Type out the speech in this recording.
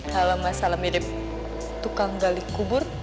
kalau mas salamidip tukang gali kubur